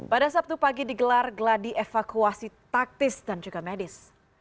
pada sabtu pagi digelar geladi evakuasi taktis dan juga medis